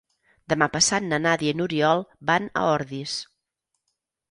Demà passat na Nàdia i n'Oriol van a Ordis.